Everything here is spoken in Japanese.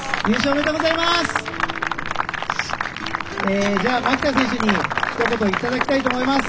おめでとうございます。